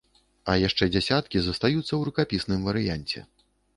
А яшчэ дзесяткі застаюцца ў рукапісным варыянце.